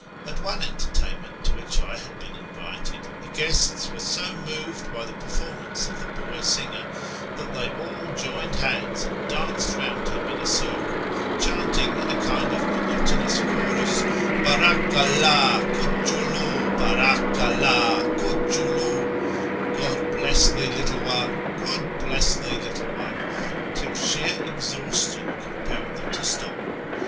At one entertainment to which I had been invited, the guests were so moved by the performance of the boy singer that they all joined hands and danced round him in a circle, chanting in a kind of monotonous chorus, " Bdraka 'lldh, Kuclmdu! Bdraka 'lldh, Kucludu !"(" God bless thee, little one ! God bless thee, little one !"), till sheer exhaustion compelled them to stop.